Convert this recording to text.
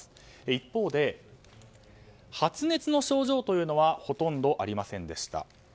一方で、発熱の症状というのはほとんどありませんでした。